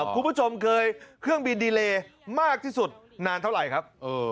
คุณผู้ชมเคยเครื่องบินดีเลมากที่สุดนานเท่าไหร่ครับ